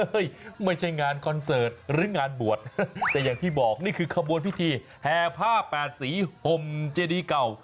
ไม่ใช่งานคอนเสิร์ตหรืองานบวชแต่อย่างที่บอกนี่คือขบวนพิธีแห่ผ้าแปดสีห่มเจดีเก่า